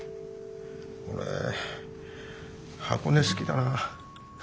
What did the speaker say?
俺箱根好きだな。